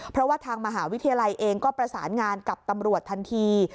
เพราะว่าทางมหาวิทยาลัยเองก็ประสานงานกับตำรวจทันที